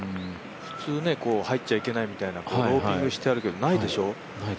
普通入っちゃいけないみたいなローピングしてるけどないでしょ。